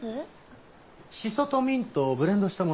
シソとミントをブレンドしたものでございます。